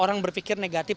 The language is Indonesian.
orang berpikir negatif